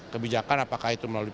kebijakan apakah itu melalui